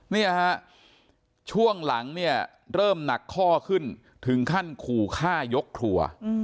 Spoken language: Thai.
เนี่ยฮะช่วงหลังเนี่ยเริ่มหนักข้อขึ้นถึงขั้นขู่ฆ่ายกครัว